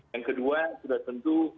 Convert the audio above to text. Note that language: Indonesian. yang kedua sudah tentu